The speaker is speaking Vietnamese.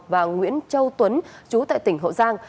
và nguyễn châu tuấn chú tại tỉnh hậu giang